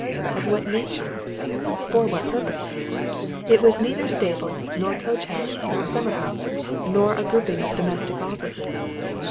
Of what nature, for what purpose? It was neither stable, nor coach house, nor summer house, nor a grouping of domestic offices.